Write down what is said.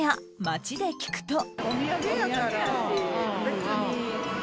街で聞くと。